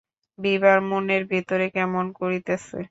বিভার মনের ভিতরে কেমন করিতেছে!